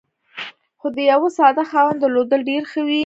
خو د یوه ساده خاوند درلودل ډېر ښه وي.